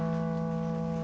buar buar buar